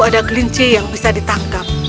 ada kelinci yang bisa ditangkap